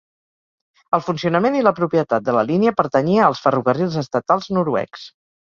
El funcionament i la propietat de la línia pertanyia als ferrocarrils estatals noruecs.